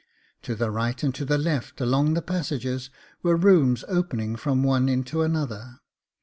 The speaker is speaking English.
To the right and to the left along the passages were rooms opening from one into another.